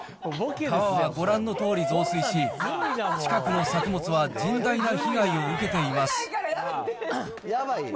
川はご覧のとおり増水し、近くの作物は甚大な被害を受けています。